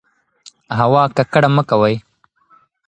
هوا ککړه مه کوئ.